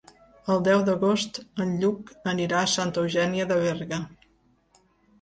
El deu d'agost en Lluc anirà a Santa Eugènia de Berga.